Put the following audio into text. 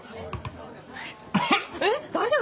えっ大丈夫？